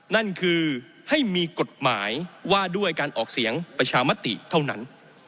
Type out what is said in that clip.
นั่นคือให้มีกฎหมายว่าด้วยการออกเสียงประชามติเท่านั้น